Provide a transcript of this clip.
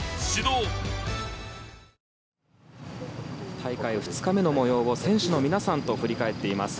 大会２日目の模様を選手の皆さんと振り返っています。